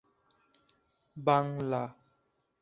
দলটির বর্তমান প্রধান হলেন ইভা গ্লাউসনিগ।